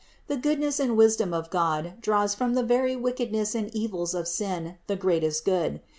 The goodness and wisdom of God draws from the very wickedness and evils of sin the greatest good.